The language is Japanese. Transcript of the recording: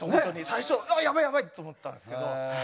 最初ああやばいやばい！と思ったんすけど。